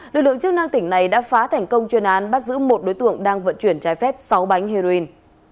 lực lượng chức năng tỉnh này đã phá thành công chuyên án bắt giữ một đối tượng đang vận chuyển trái phép sáu bánh heroin